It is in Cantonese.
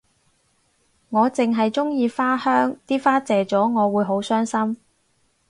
我淨係鍾意花香啲花謝咗我會好傷心